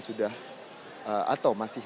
sudah atau masih